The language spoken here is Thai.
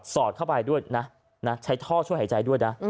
อดเข้าไปด้วยนะใช้ท่อช่วยหายใจด้วยนะ